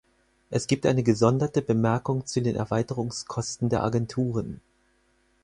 Es gibt eine gesonderte Bemerkung zu den Erweiterungskosten der Agenturen.